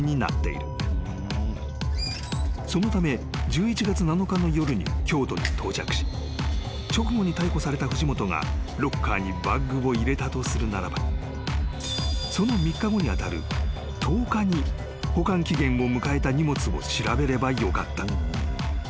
［そのため１１月７日の夜に京都に到着し直後に逮捕された藤本がロッカーにバッグを入れたとするならばその３日後に当たる１０日に保管期限を迎えた荷物を調べればよかった］